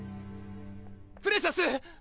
プレシャス！